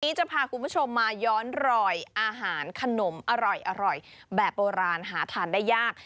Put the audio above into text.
วันนี้จะพาคุณผู้ชมมาย้อนรอยอาหารขนมอร่อยแบบโบราณหาทานได้ยาก